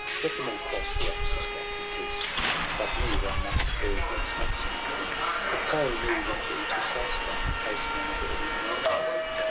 Let them all cross the Oxus back in peace. But me thou must bear hence, not send with them, But carry me with thee to Seistan, And place me on a bed, and mourn for me.